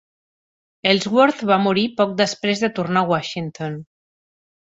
Ellsworth va morir poc després de tornar a Washington.